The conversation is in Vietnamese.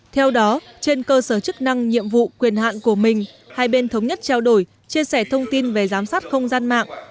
theo đó trên cơ sở chức năng nhiệm vụ quyền hạn của mình hai bên thống nhất trao đổi chia sẻ thông tin về giám sát không gian mạng